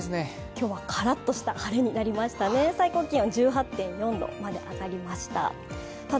今日はカラッとした一日となりました、１８．４度まで上がりました。